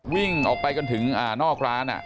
วิ่งออกไปกันถึงนอกร้าน